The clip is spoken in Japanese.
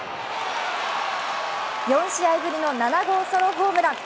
４試合ぶりの７号ソロホームラン。